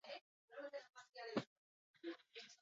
Hala ere, egun aztarnak galdurik daude.